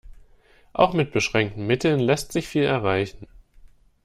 Auch mit beschränkten Mitteln lässt sich viel erreichen.